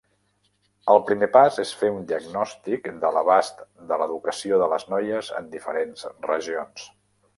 El primer pas és fer un diagnòstic de l'abast de l'educació de les noies en diferents regions.